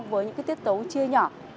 với những cái tiết tấu chia nhỏ